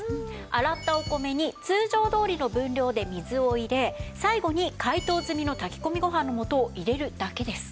洗ったお米に通常どおりの分量で水を入れ最後に解凍済みの炊き込みご飯の素を入れるだけです。